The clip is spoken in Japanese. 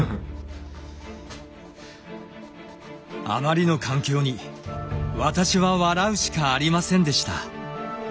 あまりの環境に私は笑うしかありませんでした。